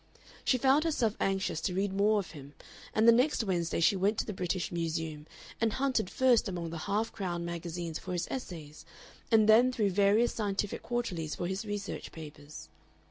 She found herself anxious to read more of him, and the next Wednesday she went to the British Museum and hunted first among the half crown magazines for his essays and then through various scientific quarterlies for his research papers.